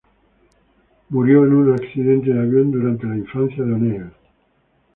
Murió en un accidente de avión durante la infancia de O'Neil.